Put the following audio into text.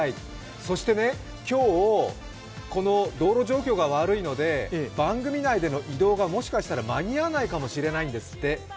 そして今日、道路状況が悪いので番組内での移動がもしかしたら間に合わないかもしれないんですって。